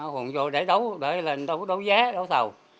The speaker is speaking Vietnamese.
hùn vô để đấu giá đấu thầu